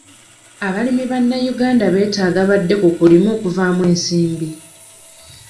Abalimi abannayuganda beetaaga badde ku kulima okuvaamu ensimbi.